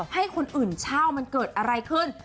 ให้คนอื่นเช่ามันเกิดอะไรขึ้น